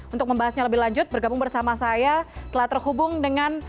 untuk membahasnya lebih lanjut bergabung bersama saya telah terhubung dengan